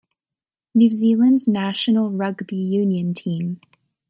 New Zealand's national rugby union team.